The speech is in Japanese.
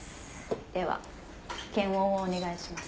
では検温をお願いします。